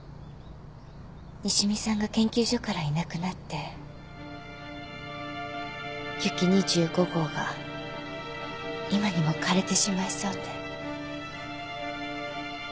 西見さんが研究所からいなくなって「ユキ２５号」が今にも枯れてしまいそうで。